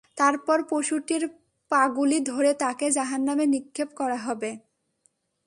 তারপর পশুটির পাগুলি ধরে তাকে জাহান্নামে নিক্ষেপ করা হবে।